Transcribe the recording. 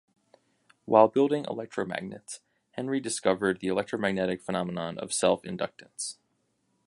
While building electromagnets, Henry discovered the electromagnetic phenomenon of self-inductance.